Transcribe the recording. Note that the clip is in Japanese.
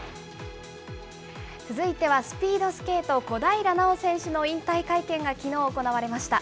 続いてはスピードスケート、小平奈緒選手の引退会見がきのう行われました。